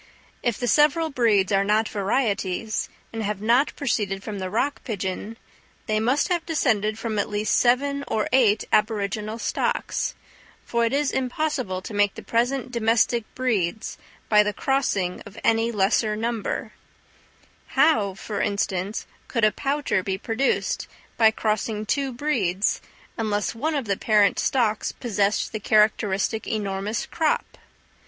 If the several breeds are not varieties, and have not proceeded from the rock pigeon, they must have descended from at least seven or eight aboriginal stocks; for it is impossible to make the present domestic breeds by the crossing of any lesser number: how, for instance, could a pouter be produced by crossing two breeds unless one of the parent stocks possessed the characteristic enormous crop?